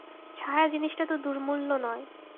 ছায়া জিনিসটা তো দুর্মূল্য নয়।